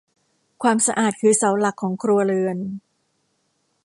ความสะอาดคือเสาหลักของครัวเรือน